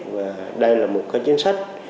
và đây là một cái chính sách